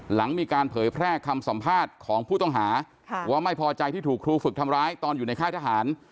หลังมีการเผยแพร่คำสัมภาษณ์ของผู้ต้องหาว่าไม่พอใจที่ถูกครูฝึกทำร้ายตอนอยู่ในค่ายทหาร